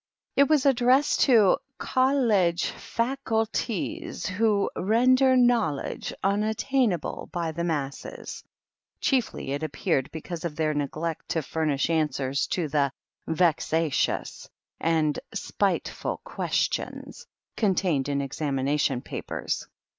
It was addressed to " Col lege Fac ul ties who ren der knowUedge un at tain able by the mass esy^ chiefly it appeared because of their neglect to furnish answers to the ^^ vex Or ti/ms and spiic ful ques tions^^ contained in examination papers.